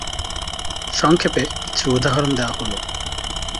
সংক্ষেপে কিছু উদাহরণ দেয়া হল।